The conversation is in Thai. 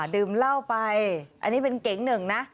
ดื่มเหล้าไปอันนี้เป็นเก๋งหนึ่งนะ